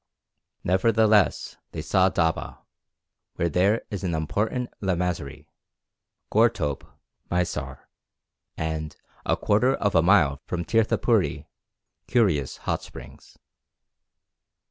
Nevertheless they saw Daba, where there is an important lamasery, Gortope, Maisar; and, a quarter of a mile from Tirthapuri, curious hot springs.